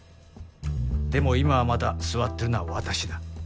でも今はまだ座ってるのは私だ。